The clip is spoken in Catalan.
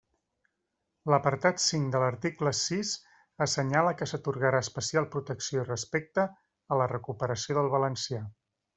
L'apartat cinc de l'article sis assenyala que s'atorgarà especial protecció i respecte a la recuperació del valencià.